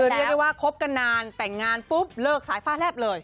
เรียกได้ว่าคบกันนานแต่งงานปุ๊บเลิกสายฟ้าแลบเลย